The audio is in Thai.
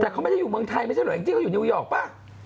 แต่เขาไม่ใช่อยู่เมืองไทยไม่ใช่เหรออยู่นิวยอร์กปะ